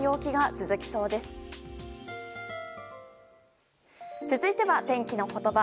続いては、天気のことば。